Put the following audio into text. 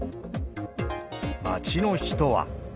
街の人は。